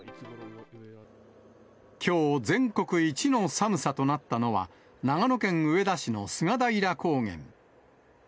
きょう、全国一の寒さとなったのは、長野県上田市の菅平高原。